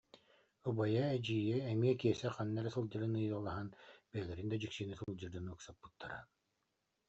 Убайа, эдьиийэ эмиэ Киэсэ ханна сылдьарын ыйыталаһан, бэйэлэрэ да дьиксинэ сылдьар дьону ыксаппыттара